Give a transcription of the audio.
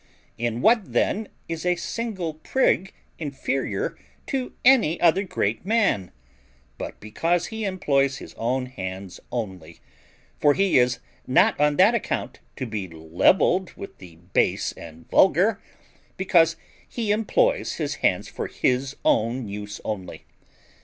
In what then is a single prig inferior to any other great man, but because he employs his own hands only; for he is not on that account to be levelled with the base and vulgar, because he employs his hands for his own use only.